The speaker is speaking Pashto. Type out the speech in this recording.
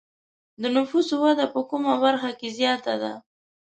د نفوسو وده په کومه برخه کې زیاته ده؟